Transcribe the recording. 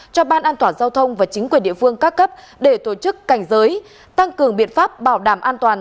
cho ban an toàn giao thông và chính quyền địa phương các cấp để tổ chức cảnh giới tăng cường biện pháp bảo đảm an toàn